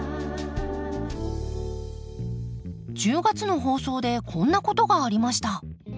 １０月の放送でこんなことがありました。